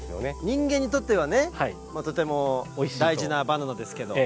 人間にとってはねとても大事なバナナですけど。